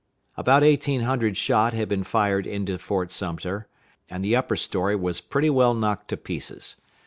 About eighteen hundred shot had been fired into Fort Sumter, and the upper story was pretty well knocked to pieces.